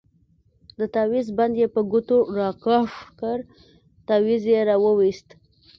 د تاويز بند يې په ګوتو راكښ كړ تاويز يې راوايست.